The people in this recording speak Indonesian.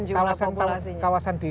jumlah populasinya sebenarnya kawasan di